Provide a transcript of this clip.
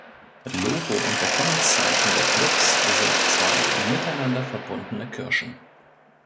Logo und Erkennungszeichen der Clubs sind zwei miteinander verbundene Kirschen.